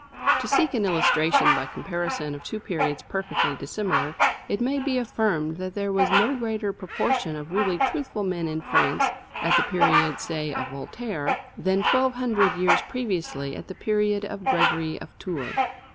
To seek an illustration by comparison of two periods perfectly dissimilar, it may be affirmed that there was no greater proportion of really truthful men in France at the period, say, of Voltaire, than twelve hundred years previously at the period of Gregory of Tours.